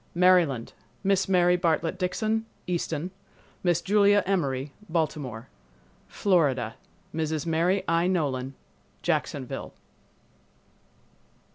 Maryland—Miss Mary Bartlett Dixon, Easton; Miss Julia Emory, Baltimore. Florida—Mrs. Mary I. Nolan, Jacksonville.